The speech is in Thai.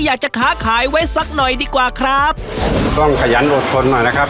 อยากจะค้าขายไว้สักหน่อยดีกว่าครับต้องขยันอดทนหน่อยนะครับ